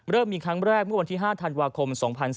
เริ่มมีครั้งแรกเมื่อวันที่๕ธันวาคม๒๔